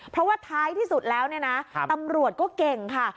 เพราะว่าท้ายที่สุดแล้วเนี่ยนะตำรวจก็เก่งค่ะ